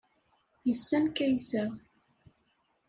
Yessen Kaysa.